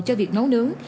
cho việc nấu nướng